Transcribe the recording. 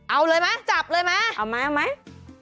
เอาเลยเหมหมจับเลยเหมือนกันเจนค่ะเอาไหม